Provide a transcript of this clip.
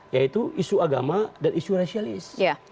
yaitu isu agama dan isu rasialis